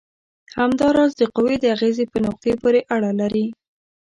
همدا راز د قوې د اغیزې په نقطې پورې اړه لري.